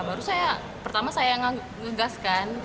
baru saya pertama saya ngegaskan